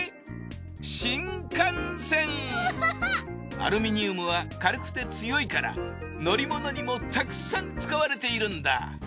アルミニウムは軽くて強いから乗り物にもたくさん使われているんだ。